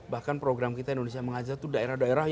bahkan program kita indonesia mengajar itu daerah daerah